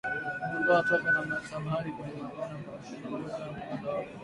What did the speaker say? Kuondoa tope na samadi kwenye maboma hukabiliana na ugonjwa wa kuoza kwato